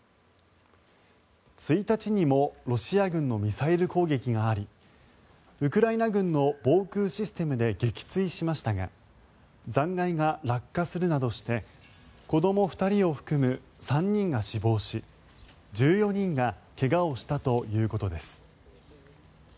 １日にもロシア軍のミサイル攻撃がありウクライナ軍の防空システムで撃墜しましたが残骸が落下するなどして子ども２人を含む３人が死亡し１４人が怪我をしたということです。